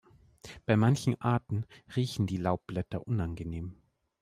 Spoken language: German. Bei manchen Arten riechen die Laubblätter unangenehm.